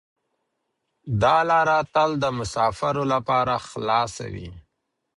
دا لاره تل د مسافرو لپاره خلاصه وي.